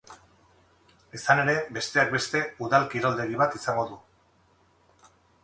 Izan ere, besteak beste, udal kiroldegi bat izango du.